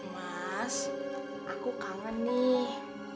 mas aku kangen nih